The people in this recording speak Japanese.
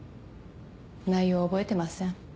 内容は覚えてません。